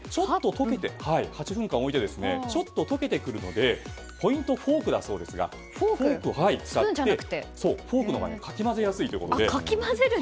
８分ぐらい置いてちょっと溶けてくるのでポイントはフォークだそうですがフォークのほうがかきまぜやすいということで。